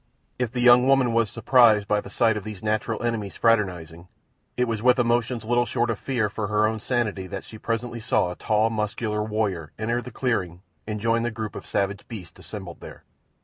If the young woman was surprised by the sight of these natural enemies fraternizing, it was with emotions little short of fear for her own sanity that she presently saw a tall, muscular warrior enter the clearing and join the group of savage beasts assembled there.